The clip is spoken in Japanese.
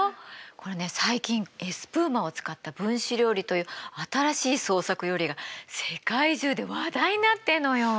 これね最近エスプーマを使った分子料理という新しい創作料理が世界中で話題になってるのよ。